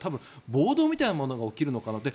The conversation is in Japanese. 暴動みたいなものが起きるのかなと。